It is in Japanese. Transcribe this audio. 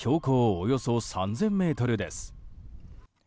およそ３０００ｍです。